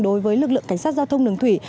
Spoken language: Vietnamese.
đối với lực lượng cảnh sát giao thông đường thủy